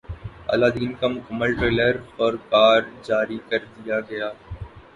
الہ دین کا مکمل ٹریلر خرکار جاری کردیا گیا